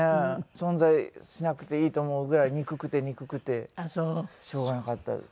存在しなくていいと思うぐらい憎くて憎くてしょうがなかった。